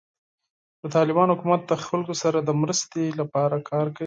د طالبانو حکومت د خلکو سره د مرستې لپاره کار کوي.